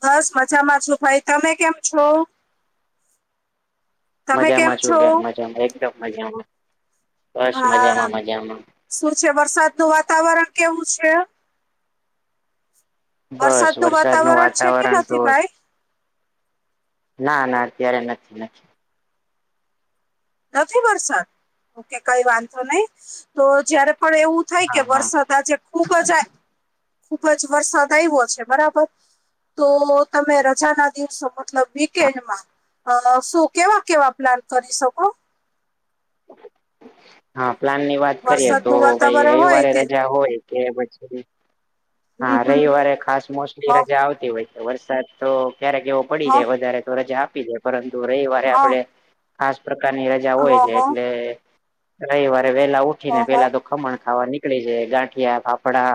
બસ મજામાં છો ભાઈ તમે કેમ છો? તમે કેમ મજામાં છું છો બેન મજામાં એકદમ મજામાં. બસ હા મજામાં મજામાં. શું છે વરસાદ નું વાતાવરણ કેવું છે? વરસાદ નું વાતાવરણ છે ને નથી ભાઈ? ના ના અત્યારે નથી નથી નથી વરસાદ ઓકે કઈ વાંધંધો નહી તો જયારે પણ એવું થાય કે હા હા વરસાદ આજે ખૂબ જ આ ખૂબ જ વરસાદ આવ્યો છે બરાબર તો તમે રજા ના દિવસો મતલબ વીકેન્ડમાં અહ શું કેવા કેવા પ્લાન કરી શકો? હા, પ્લાન ની વાત કરીએ તો વરસાદનું ભાઈ વાતાવરણ હોય રવિવારે તે રજા હોય. કે પછી હા હમ હમ રવિવારે ખાસ હ મોસ્ટલી રજા આવતી હોય છે વરસાદ તો ક્યારેક એવો પડી હ જાય વધારે તો રજા આપી દે પરંતુ રવિવારે હ આપણે ખાસ પ્રકારની રજા હ હોય છે હ એટલે રવિવારે વેલા ઉઠીને ઓહો પેલા તો ખમણ ખાવા નીકળી છે ગાંઠિયા ફાફડા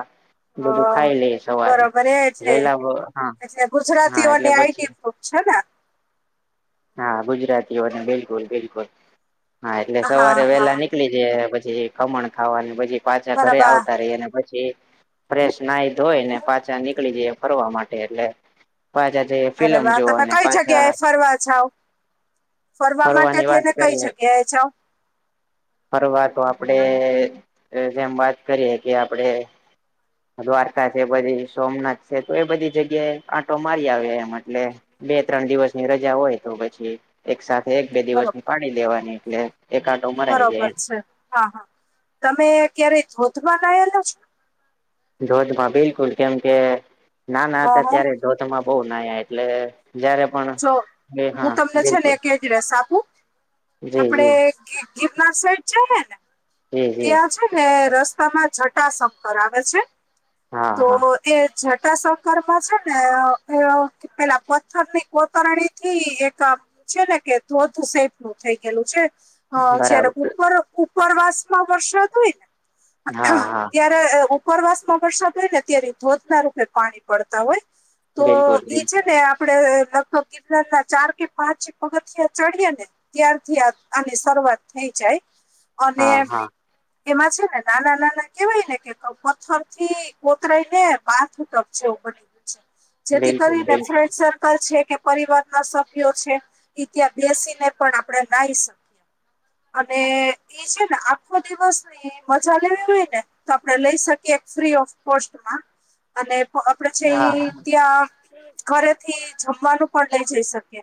બધું હ ખાઈ લઈ સવારે બરોબર એ છે વેલા હા એ હા એટલે ગુજરાતીઓની આઈટી પછી છતાં હા ગુજરાતીઓને બિલકુલ બિલકુલ હા એટલે સવારે હા હા વેલા નીક નીકળી જઈએ ને પછી ખમણ ખાવાની પછી પાછા ઘરે બરાબર આવતા રહીએ ને પછી ફ્રેશ નાહી ધોયને પાછા નીકળી જઈએ ફરવા માટે એટલે પાછા જે અરે ફિલ્મ વાહ જોવા તમે ને કઈ પાછા જગ્યાએ ફરવા જાવ ફરવા માટે ફરવાની વાત થઈને કઈ કરીએ જગ્યાએ જાય ફરવા તો આપડે એમ વાત કરીએ આપડે દ્વારકા છે પછી સોમનાથ છે તો એ બધી જગ્યાએ આંટો મારી આવીયે એમ એટલે બે ત્રણ દિવસની રજા હોય તો પછી એક સાથે એક બે બરોબર દિવસની પાડી લેવાની એટલે એક આંટો મરાય અચ્છા હા હા તમે ક્યારે ધોધમાં નાહ્યા છો ધોધમાં બિલકુલ કેમ કે નાના હા હતા હા ત્યારે ધોધમાં બો નાયા એટલે જયારે પણ જો એ હા હું તમને છે ને બિલકુલ એક એડ્રેસ આપું. જી આપડે જી ગિરનાર સાઈડ જઇએ ને જી જી ત્યાં છે ને રસ્તા રસ્તામાં જટા સંંકર આવે છે હા તો હા તે જટાશંકરમાં છે ને એ પેલા પથ્થર ને ઈ કોતરણીથી એક છે ને કે ધોધ સેટનું થઈ ગયેલું છે. હ જયારે બરાબર ઉપર ઉપરવાસમાં વરસાદ હોય હા ને હા ત્યારે ઉપરવાસમાં વરસાદ થાયને ત્યારે ધોધના રૂપે પાણી પડતા હોય તો બિલકુલ એ છે ને આપડે લગભગ ગિરનારના ચાર કે પાંચ પગથિયા ચડીએે ને ત્યારથી આ આની શરૂઆત થઈ જાય અને હા હા એમાં છે ને નાના નાના કેવાય ને કે પથ્થરથી કોતરાઈને બાથટબ જેવું બની જાય જેથી બિલકુલ કરીને બિલકુલ ફ્રેન્ડ સર્કલ છે કે પરિવારના સભ્યો છે એ ત્યાં બેસીને પણ આપડે નાહી શકીએ. અને એઈ છે ને આખો દિવસની મજા લેવી હોય ને તો આપડે લઈ શકીએ ફ્રી ઓફ કોસ્ટમાં અને આપડે હા જે ત્યાં જમવાનું પણ લઈ જઈ શકીએ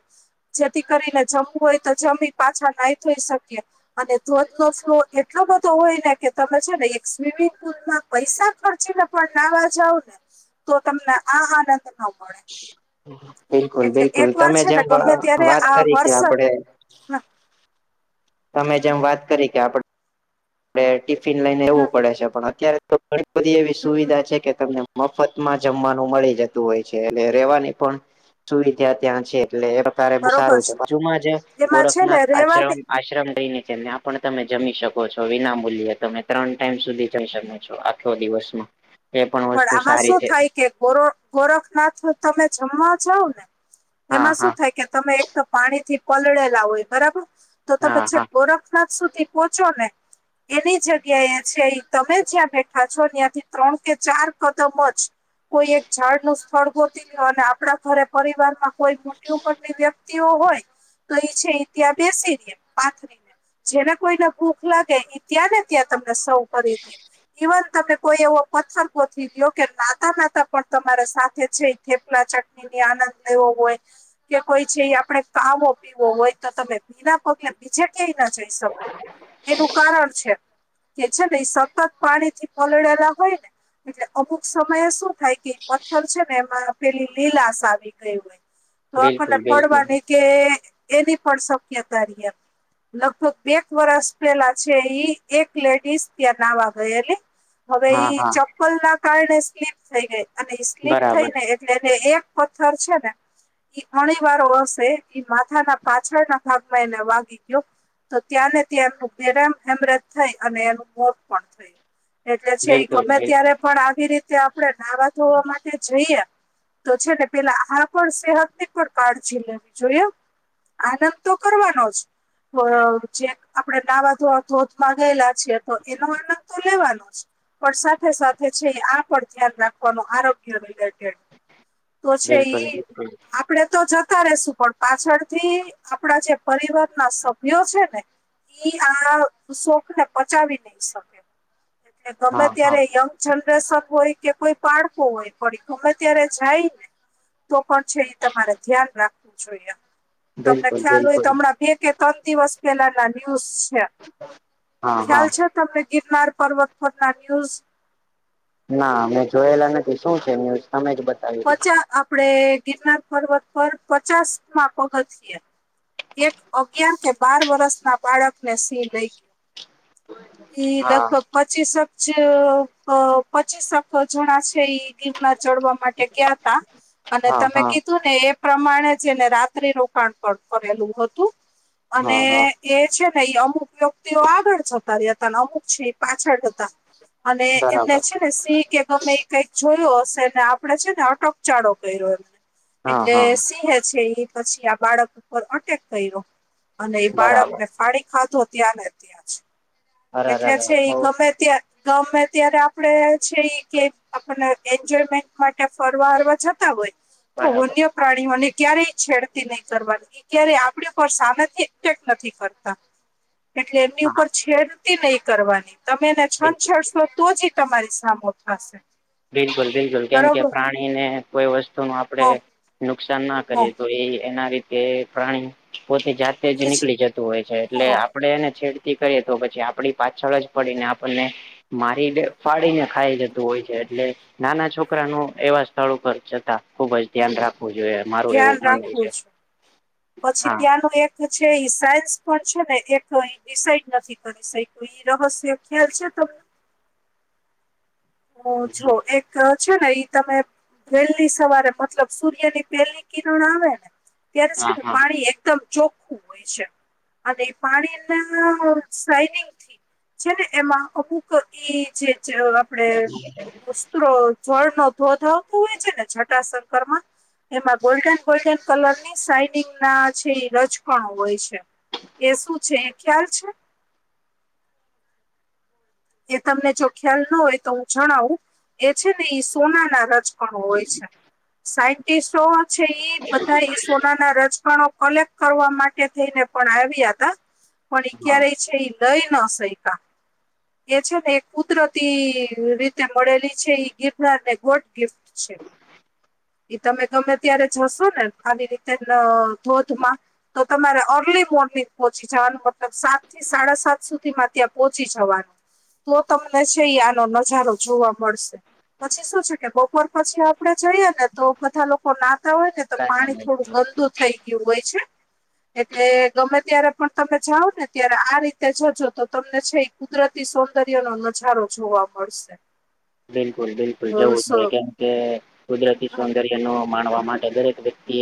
જેથી કરીને જમવું હોય તો જમી પાછા નાઈ ધોઈ શકીએ અને ધોધનો ફ્લો એટલો બધો હોય ને કે તમે છે ને એક સ્વિમિંગ પુલમાં પૈસા ખર્ચી ને પણ લાવવા જાવને તો તમને આ આનંદ ના મળે બિલકુલ એટલે બિલકુલ એક વાર તમે છે ને જેમ ગમે ત્યારે વાત આ કરી કે વર્ષ આપડે હમ તમે જેમ વાત કરી કે આપડે આપડે ટીફિન લઈને હમ એવું પડે છે પણ અત્યારે તો ઘણી બધી એવી હમ સુવિધા છે કે તમને મફતમાં જમવાનું મળી જતું હોય છે અને રેવાની પણ સુવિધા ત્યાં છે એટલે એ પ્રકારે બો સારું છે. બાજુમાં જ એમાં છે ને ગોરખનાથ આશ્રમ રેવાની આશ્રમ દઈને છે ત્યાં પણ તમે જમી શકો છો વિના મૂલ્યે તમે ત્રણ ટાઈમ સુધી જમી શકો છો આખો દિવસમાં એ પણ વસ્તુ આમાં સારી શું છે થાય [unintelligible] ગોરખનાથ તમે જમવા જાવ ને હા એમાં શું હા થાય કે તમે તો પાણીથી પલળેલા હોય બરાબર, તો તમે હા છેક હા ગોરખનાથસો પોચો ને એની જગ્યા એ છે, તમે જ્યાં બેઠા છો ત્યાંથી ત્રણ કે ચાર કદમ જ કોઈ એક ઝાડ નું સ્થળ ગોતી લ્યો અને આપડા ઘરે પરિવારમાં કોઈ મોટી ઉંમરની વ્યક્તિઓ હોય તો ઇ છે ઈ ત્યાં બેસીરે પાથરીન. જેને કોઈને ભૂખ લાગે ઇ ત્યાંને ત્યાં તમને સૌ કરી દે ઈવન તમને કોઈ એવો પથ્થર ગોથી લ્યો કે નાતા નાતા પણ તમારા સાથે છે ઈ થેપલા ચ ની આનંદ લેવો હોય. કે કોઈ છે ઈ આપડે કાવો પીવો હોય તો તમે ભીના પગલે બીજે ક્યાંય ન જઈ શકો એનું કારણ છે. એ છે ને ઈ સતત પાણીથી પલળેલા હોય ને એટલે અમુક સમયે શું થાય કે ઇ પથ્થર છે ને એમાં પેલી લીલાશ આવી ગય હોય તો આપણને બિલકુલ પડવા બિલકુલ ની કે એની પણ શક્યતા રીયે. લગભગ બેક વરસ પેલા છે ઈ એક લેડીસ ત્યાં નાવા ગયેલી. હવે હા ઈ હા ચપ્પલ ના કારણે સ્લીપ થઈ ગઈ અને ઇ સ્લીપ થઈ બરાબર ને તેને એક પથ્થર છે ને ઇ અણીવારો હસે ઇ માથાના પાછળના ભાગમાં એને વાગી ગ્યો. તો ત્યાંને ત્યાં એમનું બેરામ હેમરેજ થઈ અને એનું મોત પણ થયું. એટલે છે ઈ બિલકુલ ગમે બિલકુલ ત્યારે પણ આવી રીતે આપડે નાવા ધોવા માટે જઈએ તો છે ને પેલા આ પણ સેહતની પણ કાળજી લેવી જોઈએ. આનંદ તો કરવાનો જ. પ જેમ આપડે નાવા ધોવા ધોધમાં ગયેલા છે તો એનો આનંદ તો લેવાનો જ. પણ સાથે સાથે છે ઈ આ પર ધ્યાન રાખવાનું આરોગ્ય રિલેટેડ. તો છે બિલકુલ ઈ બિલકુલ આપ પડે તો જતા રેશું પણ પાછળથી આપડા જે પરિવારના સભ્યો છે ને ઇ આ શોકને પચાવી ની શકે ને ગમે હા હા ત્યારે યંગ જનરેશન હોય કે કોઈ પાળકુ હોય પડી ગમે ત્યારે જાયને તો પણ છે ઈ તમારે ધ્યાન રાખવું જોઈએ. તમને બિલકુલ ખ્યાલ હોય બિલકુલ તો હમણાં બે કે તન દિવસ પેલાના ન્યૂઝ છે, હા હા ખ્યાલ છે? તમને ગિરનાર પર્વત પરના ન્યુઝ ના મેં જોયેલા નથી શું છે ન્યુઝ તમેજ બ પચા આપડે ગિરનાર પર્વત પર પચાસમાં પગથીએ એક અગિયાર કે બાર વરષના બાળકને સિંહ લઈ ગ ઈ હા લગભગ પચીસ ચ અ પચીસક જણા છે ઈ ગીરનાર ચડવા મા ગ્યા તા અને હા તમે હા કીધું તે એ પ્રમાણે જેને રાત્રિ રોકાણ કર કરેલું હતું અને હા હા એ છે ને ઇ અમુક વ્યક્તિઓ આગળ જતા રિયા તા ને અમુક છે ઈ પાછળ હતા. અને એમને બરાબર છે ને સિહ કે ગમે ઈ કંઈક જોયું હશે ને આપડે છેન આટપ ચાડો કયરો હા એટલે હા સિંહે છે ઈ પછી આ બાળક ઉપર અટેક કયરો અને ઇ બરાબર. બાળકને ફાડી ખાધો ત્યાંને ત્યાંજ. એટલે અરરર છે ઈ બઉ ગમે ત્યાં ગમે ત્યારે આપડે છે ઈ કે આપને એજોયમેન્ટ મા ટે ફરવા હરવા જતા હોય તો બરાબર વન્ય પ્રાણીઓને ક્યારેય છેડતી નય કરવાની. ઈ ક્યારેય આપડી પર સામેથી અટેક નથી કરતા. એટલે એમની હા ઉપર છેડતી નય કરવાની તમે એને બિલકુલ છંછેડશો તો જ એ તમારી સામો થશે. બિલકુલ બિલકુલ કેમ કે બરોબર પ્રાણીને કોઈ વસ્તુનું હ આપણે નુકસાન ના હ કરીએ. તો એ એના રીતે પ્રાણી પોતે જાત તેજ ઈ જ નિકળી જતું હોય છે. એટલે હ આપ આપણે એને છેડતી કરીએ. તો પછી આપણી પાછળ જ પડી ને આપણને મારી અને ફાડીને ખાઈ જતું હોય છે. એટલે નાના છોકરાનુ એવા સ્થળ પર જતા ખુબ જ રાખવું જોઈએ. મારું ધ્યાન એવું માનવું છે. રાખવું પછી હા ત્યાંનું એક છે. સાયન્સ પણ છે ને એક ડિસાાઈડ નથી કરી શક્યું. રહસ્ય ખ્યાલ છે. ત ઓછો એક છે ને એ તમે વહેલી સવારે મતલબ સૂર્ય ની પહેલી કિરણ આવે અત્યારે છે હા ને હા પાણી એકદમ ચોખ હોય છે. અને પાણી ના સાડિંગ છે ને એમાં [unintelligible] આપણે જળ નો ધોધ આવતો હોય છે ને જતાશંકર માં એમાં ગોલ્ડન ગોલ્ડન કલરની સાઈડિંગ ના જે રજકણો હોય છે. એ શું છે? એ ખ્યાલ છે. એ તમને જો ખ્યાલ તો હું જણાવું. એ છે ને એ સોના ના રચકણો હોય છે. સાયન્ટિસ્ટો છે. એ બધા એ સોના ના રચકણો કલેક્ટ કરવા માટે થઈને પણ આવ્યા હતા. [inaudible] પણ એ ક્યારેય છે એ દઈ ન શકયા. એ છે ને એક કુદરતી રીતે મળેલી છે. એ ગિરનાર ને ગોડ ગિફ્ટ છે. એ તમે ગમે ત્યારે જશો ને આવી રીતે ધોધમાં તો તમારે અર્લી મોર્નિંગ પહોંચી જવાનું મતલબ સાત થી સાડા સાત સુધી માં ત્યાં પહોંચી જવાનું. તો તમને છે આનો નજારો જોવા મળશે. પછી શું છે કે બપોર પછી આપણે જઈએ ને! તો બધા લોકો નાહતા હોય ને તો બ્લેક એન્ડ પાણી વ્હાઈટ થોડું ગંદુ થઈ ગયું હોય છે. એટલે ગમે ત્યારે પણ તમે જાઓ ને ત્યારે આ રીતે જજો તો તમને છે. કુદરતી સૌંદર્યનો નજારો જોવા મળશે. બિલકુલ બિલકુલ અ જવું સો જોઈએ. કેમ કે કુદરતી હ સૌંદર્ય નો માણવા માટે દરેક કેમકે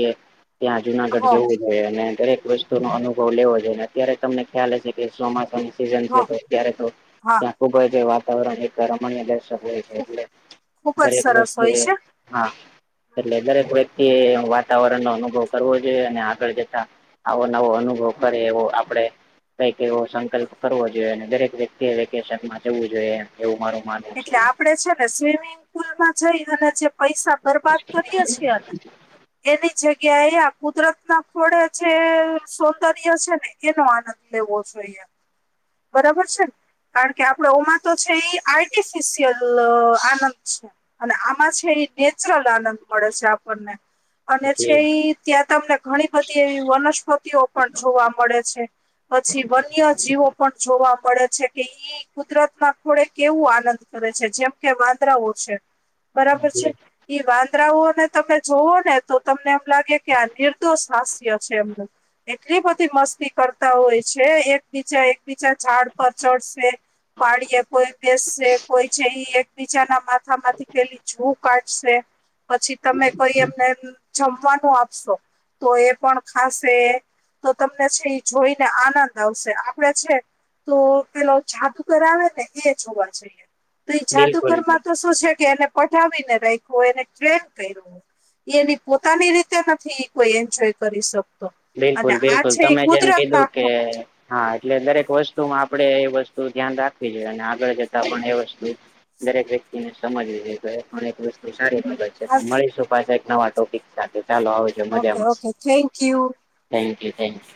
ત્યાં જૂનાગઢ હા જવું. અને દરેક વસ્તુ નો અનુભવ લેવો જોઈએ અને અત્યારે તમને ખ્યાલ હશે કે ચોમાસા સીઝન છે હા તો અત્યારે તો હા ત્યાં ખુબ જ વાતાવરણ એક રમણીય દર્શક ખૂબ એટલે ખુબ જ દરેક સરસ હોય છે. [unintelligible] એટલે દરેક વ્યક્તિ એ વાતાવરણ નો અનુભવ કરવો જોઈએ અને આગળ જતા આવો નવો અનુભવ કરે એવો આપણે કઈક એવો સંકલ્પ કરવો જોઈએ અને દરેક વ્યક્તિએ વેકેશનમાં જવું જોઈએ એવું મારું માન એટલે આપણે છે ને સ્વિમિંગ પુલમાં જઈ અને પૈસા બરબાદ કરીએ છીએ. એની જગ્યાએ આપ કુદરત ના ખોડે જે સૌંદર્ય છે ને એનો આનંદ લેવો જોઈએ. બરાબર છે. કારણ કે આપણે એમાં તો છે એ આ આર્ટિફિશિયલ આનંદ છે. અને આમાં છે એ નેચરલ આનંદ મળે છે આપણને અને એટલે છે ઇ... ત્યાં તમને ઘણી બધી એવી વનસ્પતિઓ પણ જોવા મળે છે. પછી વન્ય જીવો પણ જોવા પડે છે કે ઈ કુદરતમાં ખોડે કેવું? કરે છે જેમ કે વાંદરાઓ છે, બરાબર છે. જે ઈ વાંદરાઓને તમે જોવો ને તો તમને એમ લાગે કે આ નિર્દોષ હાસ્ય.. છે એમ એટલી બધી મસ્તી કરતા હોય છે. એકબીજા એક... બીજા ઝાડ પર ચડશે પાડી આપસો એમ કેસે કોઈ છે ઈ એકબીજા ના માથા માંથી પેલી જુ કાઢશે પછી તમે કોઈ એમને જમવાનું આપશો તો એ પણ ખાસે તો તમને છે ઈ જોઈને આનંદ આવશે આપડે છે. તો પેલો જાદુગર આવે ને એ જોવા જઈએ તો એ બિલકુલ જાદુગર માં તો શું છે કે એને પઠાવીને રાખવું એને ટ્રેન કયરુ એ એની પોતાની રીતે નથી કોઈ એન્જોય કરી શક બિલકુલ બિલકુલ તમે જેમ કીધું કે ના હા એટલે દરેક વસ્તુ માં આપડે એ વસ્તુ ધ્યાન રાખવી જોઈએ અને આગળ જતા પણ એ વસ્તુ દરેક વ્યક્તિ ને સમજવી જોઈએ પણ એક વસ્તુ સારી કેહવાય તો મળીશું પાછા એક નવા ટોપિક સાથે ચાલો આવ okay okay thank you. Thank you thank you.